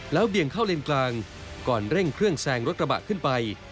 เบี่ยงเข้าเลนกลางก่อนเร่งเครื่องแซงรถกระบะขึ้นไป